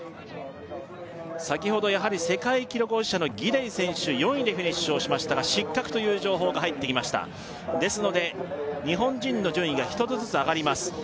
先ほどやはり世界記録保持者のギデイ選手４位でフィニッシュをしましたが失格という情報が入ってきましたですので日本人の順位が１つずつ上がります